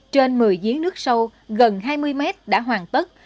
trên một mươi giếng nước sâu gần hai mươi mét đã hoàn tất